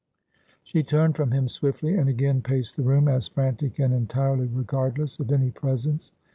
She turned from him swiftly, and again paced the room, as frantic and entirely regardless of any presence.